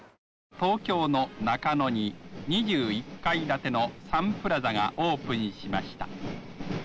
東京の中野に２１階建てのサンプラザがオープンしました。